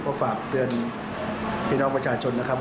ก็ฝากเตือนพี่น้องประชาชนนะครับ